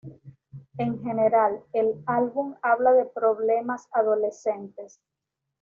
En general, el álbum habla de problemas adolescentes.